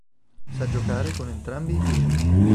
Sa giocare con entrambi i piedi.